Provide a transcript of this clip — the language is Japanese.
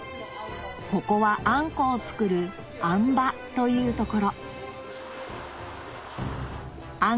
ここはあんこを作るあんばという所あん